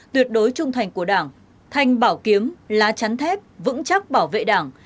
tuyệt đối trung thành của đảng thanh bảo kiếm lá chắn thép vững chắc bảo vệ đảng